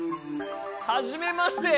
はじめまして！